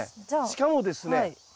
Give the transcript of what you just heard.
しかもですね